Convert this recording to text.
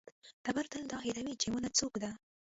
تبر تل دا هېروي چې ونه څوک ده.